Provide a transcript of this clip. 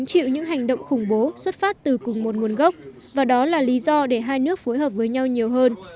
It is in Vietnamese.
chịu những hành động khủng bố xuất phát từ cùng một nguồn gốc và đó là lý do để hai nước phối hợp với nhau nhiều hơn